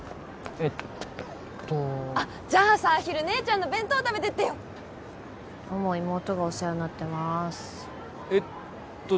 えっとじゃあさ昼姉ちゃんの弁当食べてってよどうも妹がお世話になってますえっと